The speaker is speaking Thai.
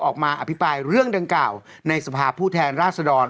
อภิปรายเรื่องดังกล่าวในสภาพผู้แทนราชดร